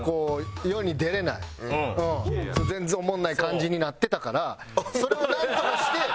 やっぱり全然おもんない感じになってたからそれをなんとかして。